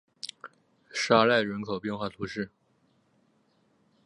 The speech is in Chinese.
沙赖人口变化图示